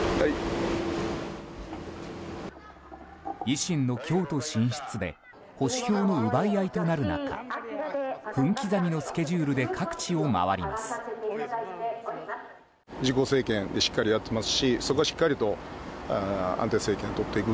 維新の京都進出で保守票の奪い合いとなる中分刻みのスケジュールで各地を回ります。